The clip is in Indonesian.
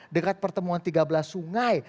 dekat pertemuan tiga belas sungai